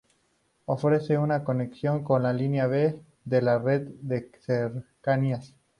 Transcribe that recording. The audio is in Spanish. Ofrece una conexión con la línea B de la red de cercanías.